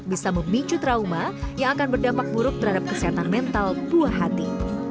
bisa memicu trauma yang akan berdampak buruk terhadap kesehatan mental buah hati